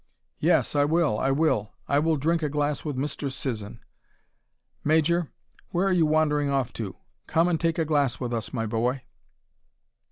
"Yes, I will, I will. I will drink a glass with Mr. Sisson. Major, where are you wandering off to? Come and take a glass with us, my boy."